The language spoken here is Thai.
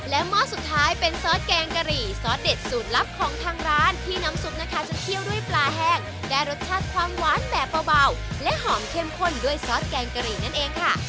หม้อสุดท้ายเป็นซอสแกงกะหรี่ซอสเด็ดสูตรลับของทางร้านที่น้ำซุปนะคะจะเคี่ยวด้วยปลาแห้งได้รสชาติความหวานแบบเบาและหอมเข้มข้นด้วยซอสแกงกะหรี่นั่นเองค่ะ